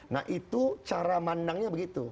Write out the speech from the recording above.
nah itu cara mandangnya begitu